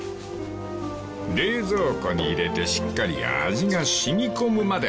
［冷蔵庫に入れてしっかり味が染み込むまで半日我慢］